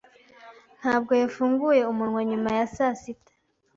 Ntabwo yafunguye umunwa nyuma ya saa sita.